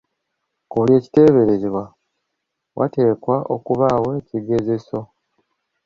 Ku buli kiteeberezebwa wateekwa okubaawo ekigezeso.